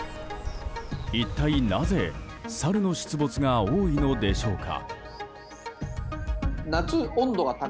一体なぜサルの出没が多いのでしょうか。